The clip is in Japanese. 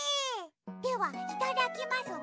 ではいただきますわ。